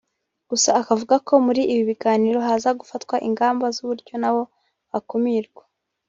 gusa akavuga ko muri ibi biganiro haza gufatwa ingamba z’uburyo nabo bakumirwa